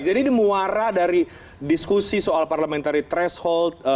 jadi ini muara dari diskusi soal parliamentary threshold